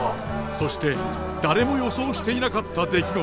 そして誰も予想していなかった出来事。